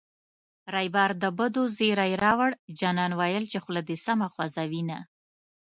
ریبار د بدو زېری راووړـــ جانان ویل چې خوله دې سمه خوزوینه